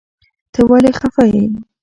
ته ولي خفه يي